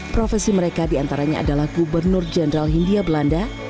profesi mereka diantaranya adalah gubernur jenderal hindia belanda